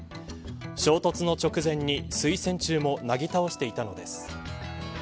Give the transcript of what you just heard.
衝突の直前に水栓柱もなぎ倒していたのです。